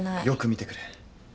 よく見てくれ。